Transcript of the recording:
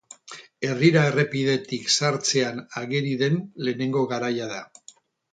Herrira errepidetik sartzean ageri den lehenengo garaia da.